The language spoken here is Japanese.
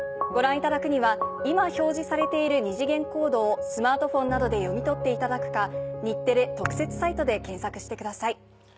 ご覧いただくには今表示されている二次元コードをスマートフォンなどで読み取っていただくか「日テレ特設サイト」で検索してください。